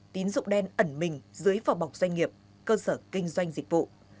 tín dụng đen ẩn mình dưới phò bọc doanh nghiệp cơ sở kinh doanh dịch vụ